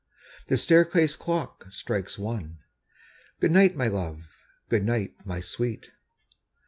The staircase clock strikes one. Good night, my love! good night, my sweet!